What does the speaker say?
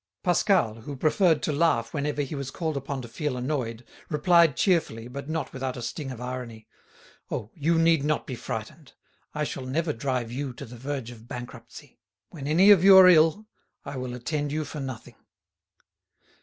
Pascal, who preferred to laugh whenever he was called upon to feel annoyed, replied cheerfully, but not without a sting of irony: "Oh, you need not be frightened, I shall never drive you to the verge of bankruptcy; when any of you are ill, I will attend you for nothing."